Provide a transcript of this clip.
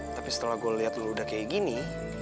tapi setelah gue liat lu udah kayak gini